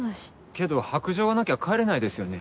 けど白杖がなきゃ帰れないですよね？